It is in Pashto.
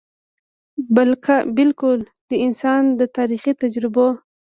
بلکه د انسان د تاریخي تجربو ،